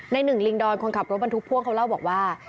หนึ่งลิงดอนคนขับรถบรรทุกพ่วงเขาเล่าบอกว่า